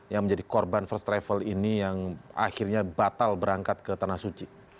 yang menjadi korban first travel ini yang akhirnya batal berangkat ke tanah suci